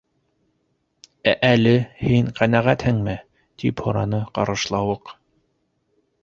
—Ә әле һин ҡәнәғәтһеңме? —тип һораны Ҡарышлауыҡ.